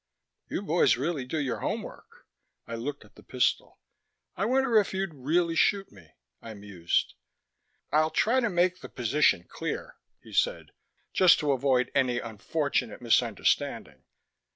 "You boys really do your homework." I looked at the pistol. "I wonder if you'd really shoot me," I mused. "I'll try to make the position clear," he said. "Just to avoid any unfortunate misunderstanding.